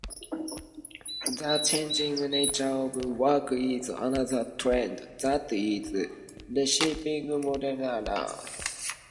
The changing nature of work is another trend that is reshaping modern living.